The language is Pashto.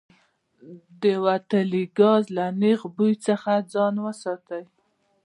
د وتلي ګاز له نیغ بوی څخه ځان وساتئ.